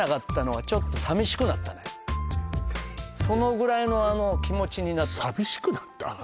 そのぐらいの気持ちになって寂しくなった？